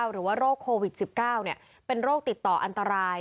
โรคโควิด๑๙เป็นโรคติดต่ออันตราย